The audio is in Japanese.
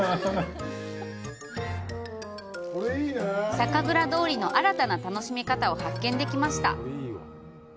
酒蔵通りの新たな楽しみ方を発見できました。